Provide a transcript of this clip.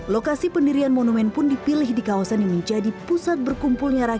lokasi pendirian monumen pun dipilih di kawasan yang menjadi pusat berkumpul